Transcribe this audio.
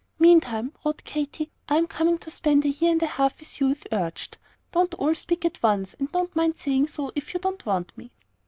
"Meantime," wrote Katy, "I am coming to spend a year and a half with you, if urged. Don't all speak at once, and don't mind saying so, if you don't want me."